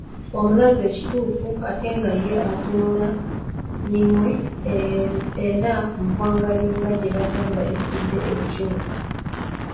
Omulaze ekituufu ate nga ye atunula minwe era mpwangali nga gye bagamba esudde ekyuma!